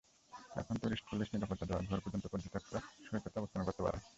এখন tourist police নিরাপত্তা দেওয়ায় ভোর পর্যন্ত পর্যটকেরা সৈকতে অবস্থান করতে পারেন।